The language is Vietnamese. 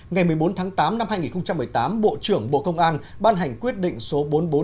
ngày một mươi bốn tháng tám năm hai nghìn một mươi tám bộ trưởng bộ công an ban hành quyết định số bốn nghìn bốn trăm chín mươi ba